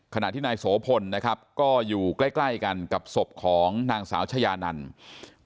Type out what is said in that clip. ขณะที่นายโสพลนะครับก็อยู่ใกล้กันกับศพของนางสาวชายานันทร์